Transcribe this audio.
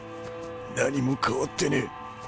何も変わってねえ。